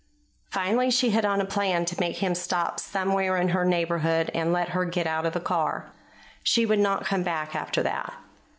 Finally she hit on a plan to make him stop somewhere in her neighborhood and let her get out of the car. She would not come back after that.